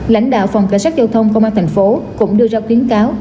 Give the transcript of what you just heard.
lãnh đạo phòng cảnh sát châu công đường bộ đường sắc công an tp hcm cũng đưa ra khuyến cáo